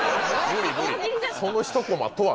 「そのひとコマとは」